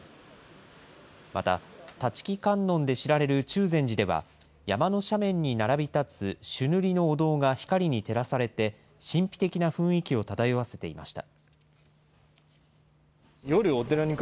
また、立木観音で知られる中禅寺では、山の斜面に並び立つ朱塗りのお堂が光に照らされて、神秘的な雰囲気を漂わせていました。